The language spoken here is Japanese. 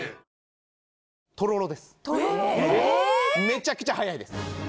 めちゃくちゃはやいです